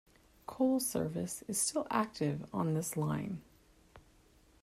Coal service is still active on this line.